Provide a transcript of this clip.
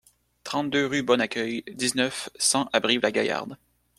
trente-deux rue Bon Accueil, dix-neuf, cent à Brive-la-Gaillarde